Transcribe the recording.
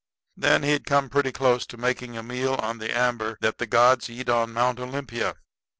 Then he'd come pretty close to making a meal on the amber that the gods eat on Mount Olympia."